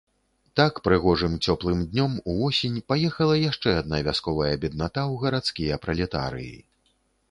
Так, прыгожым цёплым днём увосень, паехала яшчэ адна вясковая бедната ў гарадскія пралетарыі.